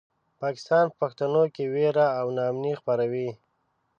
پاکستان په پښتنو کې وېره او ناامني خپروي.